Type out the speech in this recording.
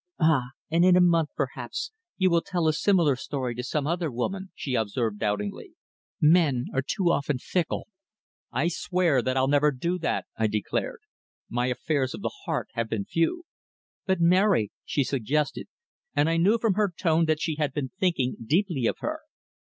"Ah! And in a month, perhaps, you will tell a similar story to some other woman," she observed doubtingly. "Men are too often fickle." "I swear that I'll never do that," I declared. "My affairs of the heart have been few." "But Mary?" she suggested, and I knew from her tone that she had been thinking deeply of her.